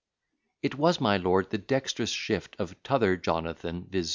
It was, my lord, the dexterous shift Of t'other Jonathan, viz.